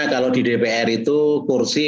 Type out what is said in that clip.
kalau di dpr itu kursi